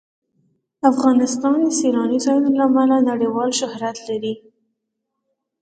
افغانستان د سیلاني ځایونو له امله نړیوال شهرت لري.